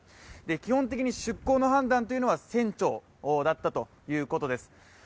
基本的に出港の判断というのは船長だったということです。